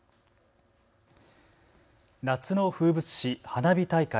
夏の風物詩、花火大会。